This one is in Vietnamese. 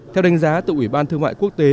theo đánh giá từ ủy ban thương mại quốc tế